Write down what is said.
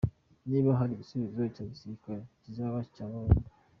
Niba hari igisubizo cya gisirikare, kizaba icya burundu.